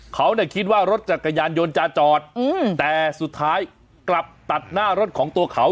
เขาเนี่ยคิดว่ารถจักรยานยนต์จะจอดแต่สุดท้ายกลับตัดหน้ารถของตัวเขา